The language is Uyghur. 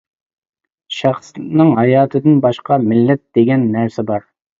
شەخسنىڭ ھاياتىدىن باشقا، مىللەت دېگەن نەرسە بار.